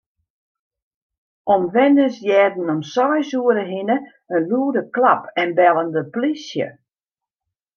Omwenners hearden om seis oere hinne in lûde klap en bellen de plysje.